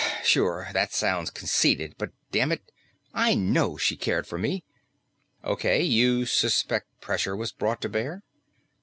Sure, that sounds conceited, but dammit, I know she cared for me." "Okay. You suspect pressure was brought to bear?"